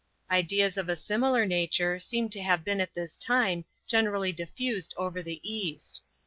Ideas of a similar nature seem to have been at this time, generally diffused over the East.